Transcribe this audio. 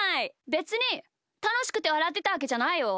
べつにたのしくてわらってたわけじゃないよ。